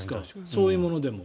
そういうものでも。